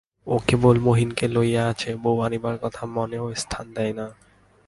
ও কেবল মহিনকে লইয়াই আছে, বউ আনিবার কথা মনেও স্থান দেয় না।